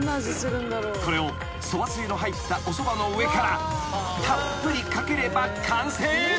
［これをそばつゆの入ったおそばの上からたっぷりかければ完成］